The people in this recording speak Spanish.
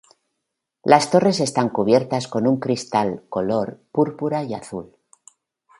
Las torres están cubiertas con un cristal color púrpura y azul.